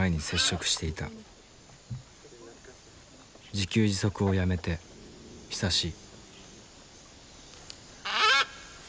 自給自足をやめて久しい。